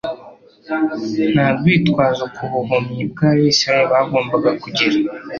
Nta rwitwazo ku buhumyi bw'Abisirayeli bagombaga kugira.